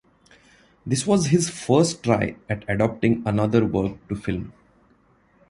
This was his first try at adapting another work to film.